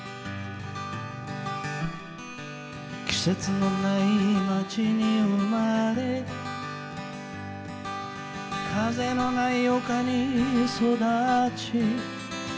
「季節のない街に生れ風のない丘に育ち」